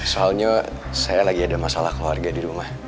soalnya saya lagi ada masalah keluarga di rumah